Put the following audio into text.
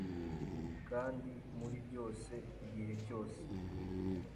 kandi muri byose igihe cyose